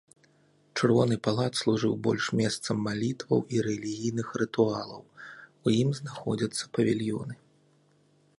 Чырвоны палац служыў больш месцам малітваў і рэлігійных рытуалаў, у ім знаходзяцца павільёны.